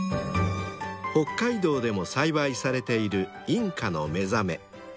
［北海道でも栽培されているインカのめざめ］